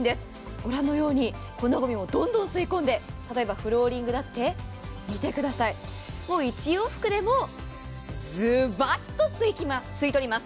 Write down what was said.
御覧のように、このごみもどんどん吸い込んで、例えばフローリングだって、１往復でもズバッと吸い込みます。